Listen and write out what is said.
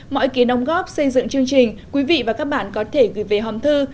mọi ý kiến đóng góp xây dựng chương trình quý vị và các bạn có thể gửi về hòm thư